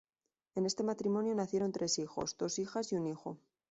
En este matrimonio nacieron tres hijos: dos hijas y un hijo.